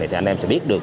thì anh em sẽ biết được